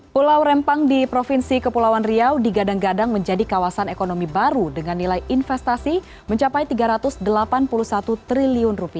pulau rempang di provinsi kepulauan riau digadang gadang menjadi kawasan ekonomi baru dengan nilai investasi mencapai rp tiga ratus delapan puluh satu triliun